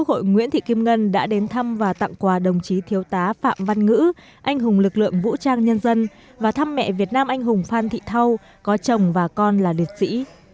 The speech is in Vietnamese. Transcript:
ông ngân đã đến thăm và tặng quà đồng chí thiếu tá phạm văn ngữ anh hùng lực lượng vũ trang nhân dân và thăm mẹ việt nam anh hùng phan thị thâu có chồng và con là địa chỉ